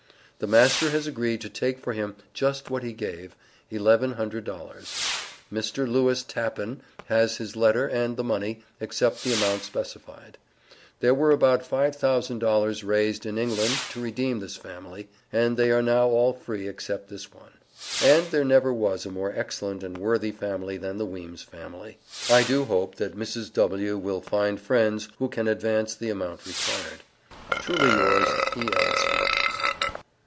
The master has agreed to take for him just what he gave, $1100. Mr. Lewis Tappan has his letter and the money, except the amount specified. There were about $5000 raised in England to redeem this family, and they are now all free except this one. And there never was a more excellent and worthy family than the Weems' family. I do hope, that Mrs. W. will find friends who can advance the amount required. Truly Yours, E.L. STEVENS.